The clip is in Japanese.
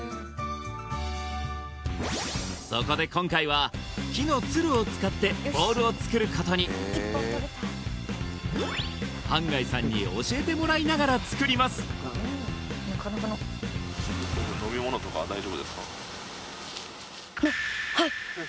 そこで今回は木のツルを使ってボールを作ることに半谷さんに教えてもらいながら作ります